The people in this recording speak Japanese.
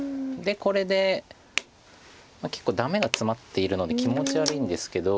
これで結構ダメがツマっているので気持ち悪いんですけど。